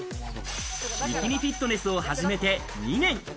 ビキニフィットネスを始めて２年。